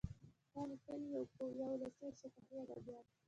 نا لیکلي یا ولسي او شفاهي ادبیات